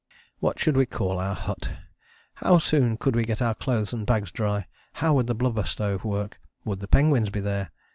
What should we call our hut? How soon could we get our clothes and bags dry? How would the blubber stove work? Would the penguins be there?